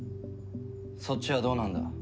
そっちはどうなんだ？